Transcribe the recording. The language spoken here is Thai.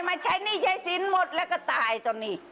มาใช้หนี้ใช้สินหมดแล้วก็ตายตอนนี้